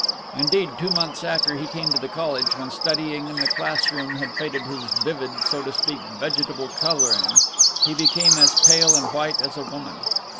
Indeed, two months after he came to the college, when studying in the classroom had faded his vivid, so to speak, vegetable coloring, he became as pale and white as a woman.